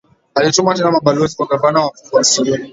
Alituma tena mabalozi kwa gavana von Soden